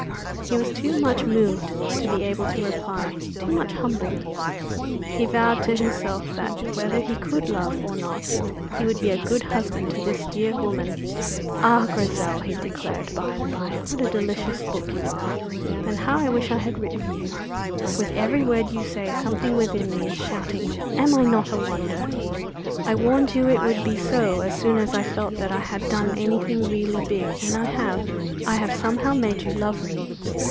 He was too much moved to be able to reply too much humbled. He vowed to himself that, whether he could love or not, he would be a good husband to this dear woman. "Ah, Grizel," he declared, by and by, "what a delicious book you are, and how I wish I had written you! With every word you say, something within me is shouting, 'Am I not a wonder!' I warned you it would be so as soon as I felt that I had done anything really big, and I have. I have somehow made you love me.